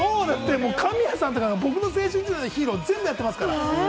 神谷さんだって、僕の青春時代のヒーローを全部やっていますから。